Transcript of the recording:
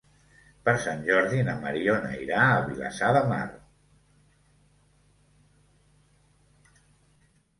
Per Sant Jordi na Mariona irà a Vilassar de Mar.